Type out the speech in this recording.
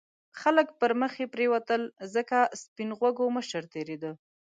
خلک پرمخې پرېوتل ځکه سپین غوږو مشر تېرېده.